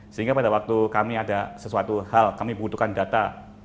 sehingga pada waktu kami ada sesuatu hal kami butuhkan data